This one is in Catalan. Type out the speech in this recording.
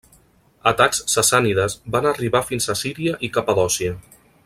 Atacs sassànides van arribar fins a Síria i Capadòcia.